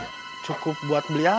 cuma cukup buat beli dua